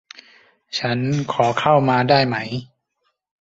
ฉันขอเข้ามาได้ไหม